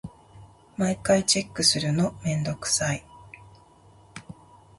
毎回チェックするのめんどくさい。